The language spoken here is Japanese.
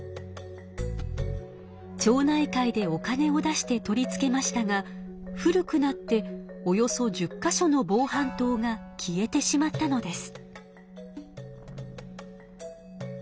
町内会でお金を出して取り付けましたが古くなっておよそ１０か所の防犯灯が消えてしまったのです。